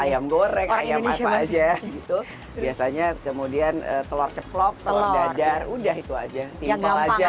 ayam goreng ayam apa aja gitu biasanya kemudian telur ceplok telur dadar udah itu aja simple aja